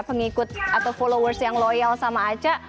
pengikut atau followers yang loyal sama aca